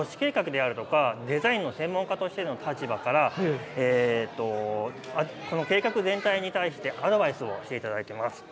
学は都市計画であるとかデザインの専門家の立場から計画全体に対してアドバイスしていただいています。